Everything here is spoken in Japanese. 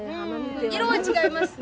色は違いますね。